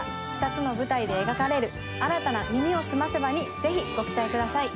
２つの舞台で描かれる新たな『耳をすませば』にぜひご期待ください。